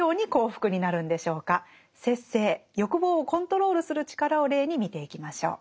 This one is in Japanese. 節制欲望をコントロールする力を例に見ていきましょう。